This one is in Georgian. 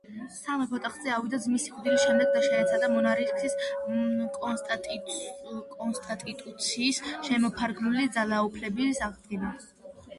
სამეფო ტახტზე ავიდა ძმის სიკვდილის შემდეგ და შეეცადა მონარქის კონსტიტუციით შემოფარგლული ძალაუფლების აღდგენა.